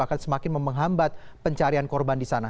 akan semakin menghambat pencarian korban di sana